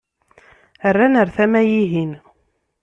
Rran ɣer tama-ihin.